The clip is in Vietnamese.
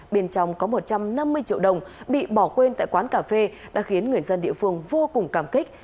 bên trong có một trăm năm mươi triệu đồng bị bỏ quên tại quán cà phê đã khiến người dân địa phương vô cùng cảm kích